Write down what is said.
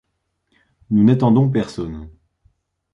Nous n’attendons personne.